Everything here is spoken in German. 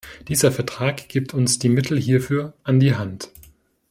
Dieser Vertrag gibt uns die Mittel hierfür an die Hand.